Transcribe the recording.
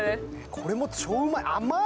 これも超うまい、甘い！